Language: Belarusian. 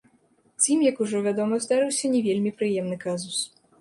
З ім, як ужо вядома, здарыўся не вельмі прыемны казус.